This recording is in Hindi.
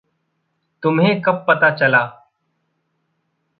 तुम्हें कब पता चला?